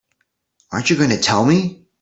Aren't you going to tell me?